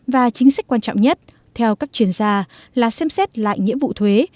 và chính sách quan trọng nhất theo các chuyên gia là xem xét lại nghĩa vụ thuế